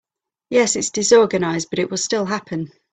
Yes, it’s disorganized but it will still happen.